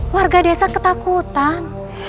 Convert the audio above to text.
warga desa ketakutan